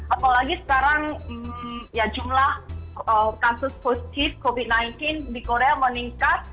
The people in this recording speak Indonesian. apalagi sekarang ya jumlah kasus positif covid sembilan belas di korea meningkat